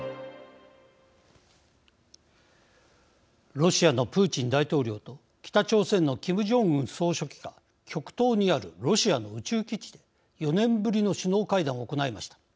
ロシアのプーチン大統領と北朝鮮のキム・ジョンウン総書記が極東にあるロシアの宇宙基地で４年ぶりの首脳会談を行いました。